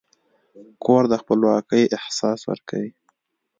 کور د خپلواکۍ احساس ورکوي.